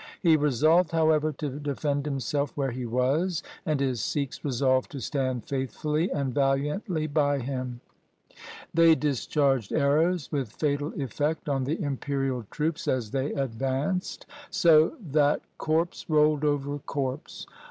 He resolved, however, to defend himself where he was, and his Sikhs resolved to stand faithfully and valiantly by him. 140 THE SIKH RELIGION They discharged arrows with fatal effect on the imperial troops as they advanced, so that corpse rolled over corpse.